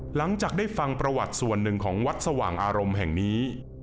หลังจากได้ฟังประวัติส่วนหนึ่งของวัดสว่างอารมณ์แห่งนี้